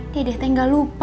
dede teh nggak lupa